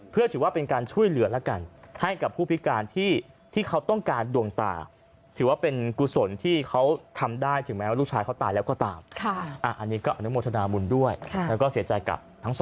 เพื่อถือว่าเป็นการช่วยเหลือแล้วกันให้กับผู้พิการที่ที่เขาต้องการดวงตา